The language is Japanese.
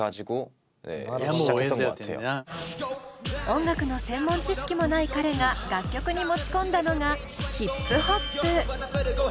音楽の専門知識もない彼が楽曲に持ち込んだのがヒップホップ。